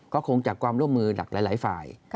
ก็คงจากความร่วมมือจากหลายฝ่าย